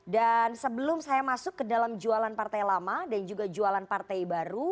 dan sebelum saya masuk ke dalam jualan partai lama dan juga jualan partai baru